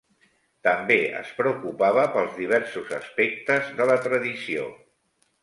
També es preocupava pels diversos aspectes de la tradició.